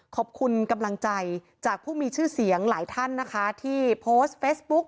ขอบคุณกำลังใจจากผู้มีชื่อเสียงหลายท่านนะคะที่โพสต์เฟซบุ๊ก